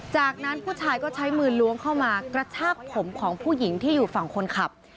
จากนั้นผู้ชายก็ใช้มือล้วงเข้ามากระชากผมของผู้หญิงที่อยู่ฝั่งคนขับ